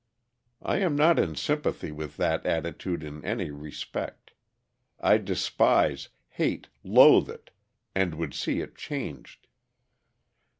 I am not in sympathy with that attitude in any respect; I despise, hate, loathe it, and would see it changed.